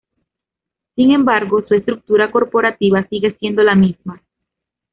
Sin embargo, su estructura corporativa sigue siendo la misma.